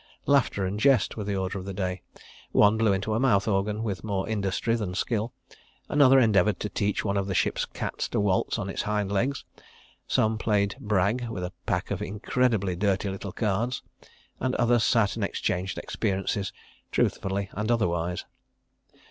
Laughter and jest were the order of the day. One blew into a mouth organ with more industry than skill; another endeavoured to teach one of the ship's cats to waltz on its hind legs; some played "brag" with a pack of incredibly dirty little cards; and others sat and exchanged experiences, truthfully and otherwise.